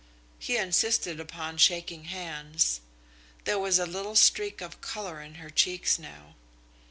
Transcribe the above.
He insisted upon shaking hands. There was a little streak of colour in her cheeks now.